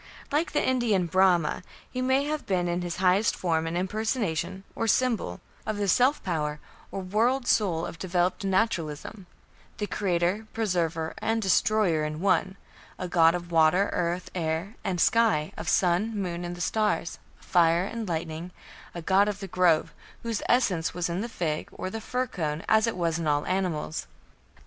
Like the Indian Brahma, he may have been in his highest form an impersonation, or symbol, of the "self power" or "world soul" of developed Naturalism the "creator", "preserver", and "destroyer" in one, a god of water, earth, air, and sky, of sun, moon, and stars, fire and lightning, a god of the grove, whose essence was in the fig, or the fir cone, as it was in all animals.